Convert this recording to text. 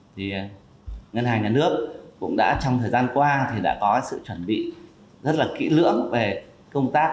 thì ngân hàng nhà nước cũng đã trong thời gian qua thì đã có sự chuẩn bị rất là kỹ lưỡng về công tác đấu thầu vàng miếng stc